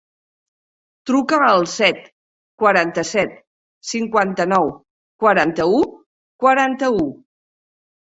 Truca al set, quaranta-set, cinquanta-nou, quaranta-u, quaranta-u.